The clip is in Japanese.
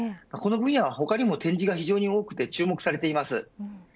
この分野は他にも展示が多くて注目されています。